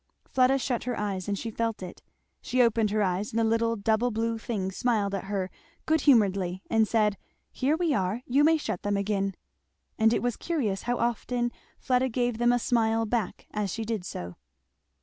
Fleda shut her eyes and she felt it; she opened her eyes, and the little double blue things smiled at her good humouredly and said, "Here we are you may shut them again." And it was curious how often Fleda gave them a smile back as she did so.